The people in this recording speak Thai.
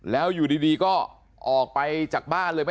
แล้วก็ยัดลงถังสีฟ้าขนาด๒๐๐ลิตร